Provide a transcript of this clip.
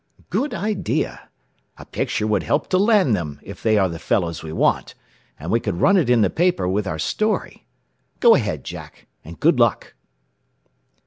"Good idea. A picture would help to land them, if they are the fellows we want; and we could run it in the paper with our story. Go ahead, Jack, and good luck."